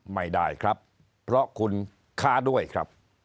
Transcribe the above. ไม่ได้ครับเพราะคุณค้าด้วยครับ